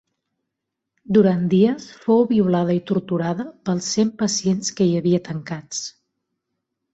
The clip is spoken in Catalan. Durant dies fou violada i torturada pels cent pacients que hi havia tancats.